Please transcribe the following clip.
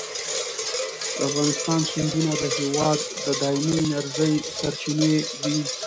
د افغانستان سیندونه د هېواد د دایمي انرژۍ سرچینې دي.